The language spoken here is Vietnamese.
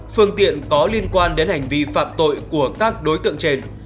phương tiện có liên quan đến hành vi phạm tội của các đối tượng trên